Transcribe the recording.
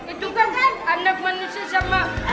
itu kan anak manusia sama